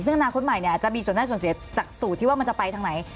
ซึ่งอนาคตใหม่เนี่ยจะมีส่วนได้ส่วนเสียจากสูตรที่ว่ามันจะไปทางไหน